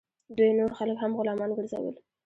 دوی نور خلک هم غلامان ګرځول.